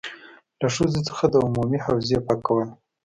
له ښځو څخه د عمومي حوزې پاکول.